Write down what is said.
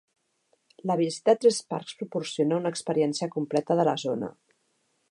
La visita a tres parcs proporciona una experiència completa de la zona.